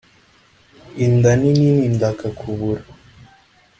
- inda nini ndakakubura!